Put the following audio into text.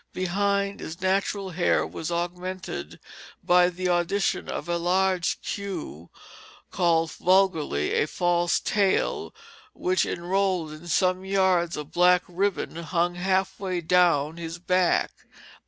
Behind, his natural hair was augmented by the addition of a large queue called vulgarly a false tail, which, enrolled in some yards of black ribbon, hung half way down his back."